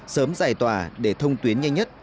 sớm giải tỏa để thông tuyến nhanh nhất